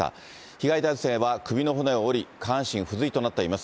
被害男性は首の骨を折り、下半身不随となっています。